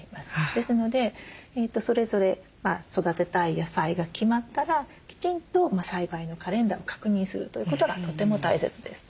ですのでそれぞれ育てたい野菜が決まったらきちんと栽培のカレンダーを確認するということがとても大切です。